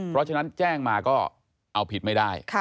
เพราะฉะนั้นแจ้งมาก็เอาผิดไม่ได้